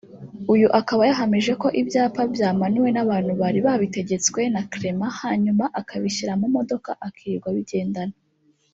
uyu akaba yahamije ko ibyapa byamanuwe n’abantu bari babitegetswe na Clement hanyuma akabishyira mu modoka akirirwa abigendana